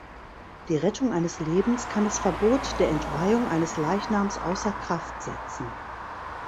Die Rettung eines Lebens kann das Verbot der Entweihung eines Leichnams außer Kraft setzen.